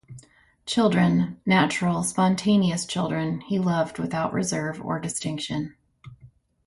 Children - natural, spontaneous children - he loved without reserve or distinction.